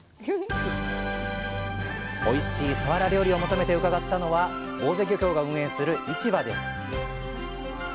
おいしいさわら料理を求めて伺ったのは坊勢漁協が運営する市場です